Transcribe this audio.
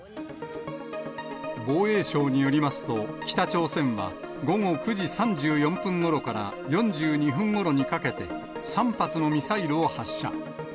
防衛省によりますと、北朝鮮は午後９時３４分ごろから４２分ごろにかけて、３発のミサイルを発射。